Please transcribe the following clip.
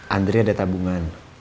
andri ada tabungan